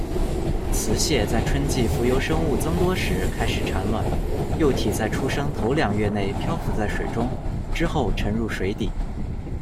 雌蟹在春季浮游生物增多时开始产卵，幼体在出生头两月内漂浮在水中，之后沉入水底。